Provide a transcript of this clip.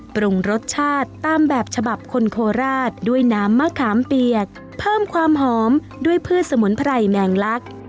ปรุงรสชาติตามแบบฉบับคนโคราชด้วยน้ำมะขามเปียกเพิ่มความหอมด้วยพืชสมุนไพรแมงลัก